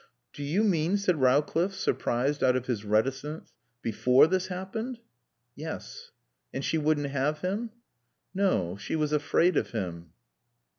"Do you mean," said Rowcliffe, surprised out of his reticence, "before this happened?" "Yes." "And she wouldn't have him?" "No. She was afraid of him."